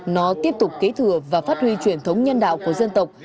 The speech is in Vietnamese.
nó tiếp tục kế thừa và phát huy truyền thống nhân đạo của dân tộc